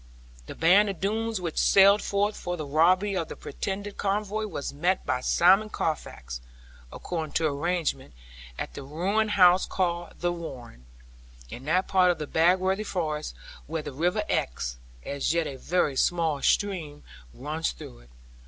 The band of Doones which sallied forth for the robbery of the pretended convoy was met by Simon Carfax, according to arrangement, at the ruined house called The Warren, in that part of Bagworthy Forest where the river Exe (as yet a very small stream) runs through it.